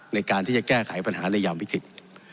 ในการที่จะแก้ไขปัญหาในยามวิกฤต